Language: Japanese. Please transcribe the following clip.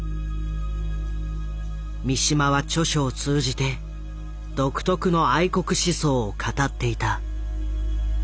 三島は著書を通じて独特の愛国思想を語っていた。